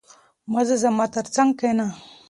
مه ځه، زما تر څنګ کښېنه.